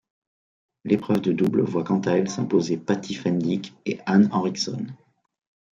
L'épreuve de double voit quant à elle s'imposer Patty Fendick et Ann Henricksson.